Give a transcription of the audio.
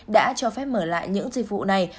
đã cho phép mở lại những dịch vụ này